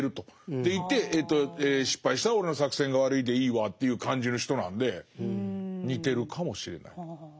でいて失敗したら俺の作戦が悪いでいいわという感じの人なんで似てるかもしれない。